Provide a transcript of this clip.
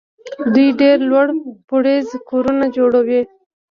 دوی ډېر لوړ پوړیز کورونه جوړوي.